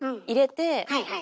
はいはい。